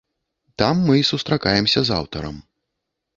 Там мы і сустракаемся з аўтарам.